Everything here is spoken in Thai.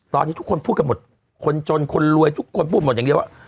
ตอนนี้ทุกคนพูดกันหมดคนจนคนรวยทุกคนพูดหมดอย่างเดียวว่า